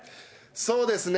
そうですね。